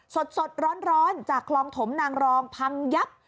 สดร้อนจากคลองถมนางรองพังยับ